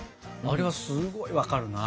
あれはすごい分かるな。